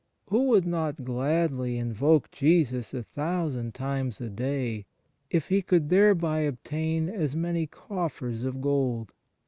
Who would not gladly invoke Jesus a thousand times a day if he could thereby obtain as many coffers of gold